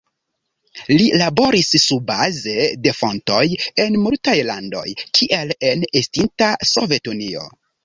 Li laboris surbaze de fontoj en multaj landoj, kiel en estinta Sovetunio.